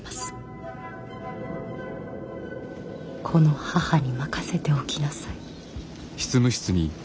この母に任せておきなさい。